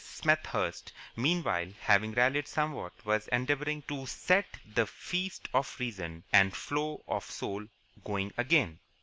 Smethurst, meanwhile, having rallied somewhat, was endeavouring to set the feast of reason and flow of soul going again.